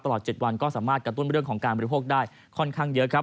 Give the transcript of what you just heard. ตลอด๗วันก็สามารถกระตุ้นเรื่องของการบริโภคได้ค่อนข้างเยอะครับ